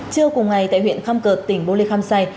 trưa cùng ngày tại huyện khâm cợt tỉnh bô lê khăm say